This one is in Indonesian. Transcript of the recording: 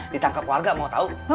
ditangkap keluarga mau tau